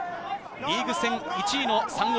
リーグ戦１位のサンゴ